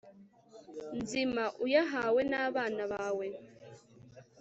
nzima, uyahawe n'abana bawe